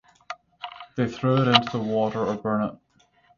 They throw it into the water or burn it.